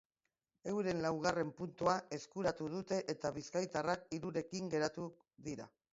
Euren laugarren puntua eskuratu dute eta bizkaitarrak hirurekin geratu dira.